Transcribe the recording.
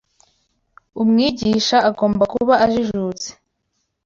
Umwigisha agomba kuba ajijutse